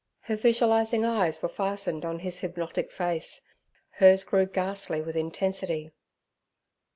Her visualizing eyes were fastened on his hypnotic face. Hers grew ghastly with intensity.